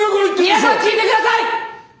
皆さん聞いて下さい！